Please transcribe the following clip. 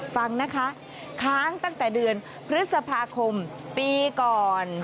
ฟังนะคะค้างตั้งแต่เดือนพฤษภาคมปีก่อน